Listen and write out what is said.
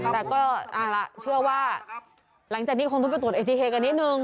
แต่ก็เอาล่ะเชื่อว่าหลังจากนี้คงต้องไปตรวจเอติเฮกันนิดนึง